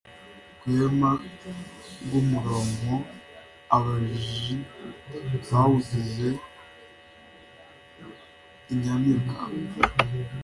Rwema rw'umuronko ababaji bawugize inyamibwa